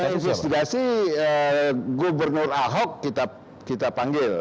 kalau yang investigasi gubernur ahok kita panggil